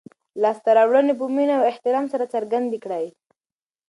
لاسته راوړنې په مینه او احترام سره څرګندې کړئ.